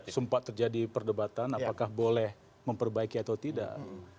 sempat terjadi perdebatan apakah boleh memperbaiki atau tidak